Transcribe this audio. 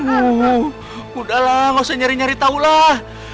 aduh udahlah nggak usah nyari nyari tahulah